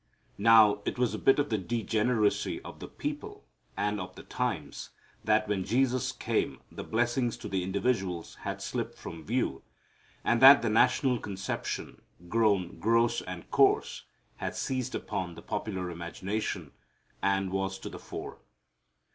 Now, it was a bit of the degeneracy of the people and of the times, that when Jesus came the blessings to the individual had slipped from view, and that the national conception, grown gross and coarse, had seized upon the popular imagination, and was to the fore.